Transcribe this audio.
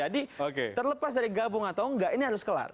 jadi terlepas dari gabung atau nggak ini harus kelar